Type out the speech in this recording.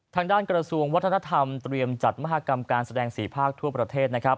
ทางด้านกระทรวงวัฒนธรรมเตรียมจัดมหากรรมการแสดง๔ภาคทั่วประเทศนะครับ